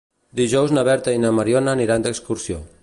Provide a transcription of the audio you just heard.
Dijous na Berta i na Mariona aniran d'excursió.